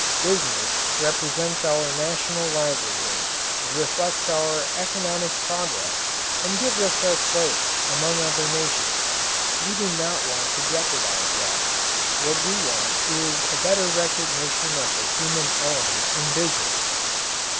Business represents our national livelihood, it reflects our economic progress, and gives us our place among other nations. We do not want to jeopardize that. What we want is a better recognition of the human element in business.